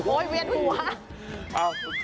โอ้ยเวียนหัว